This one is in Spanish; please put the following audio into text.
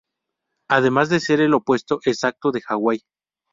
Además de ser el opuesto exacto de hawai.